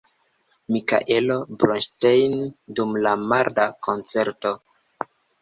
Mikaelo Bronŝtejn dum la marda koncerto.